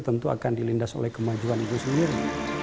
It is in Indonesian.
tentu akan dilindas oleh kemajuan itu sendiri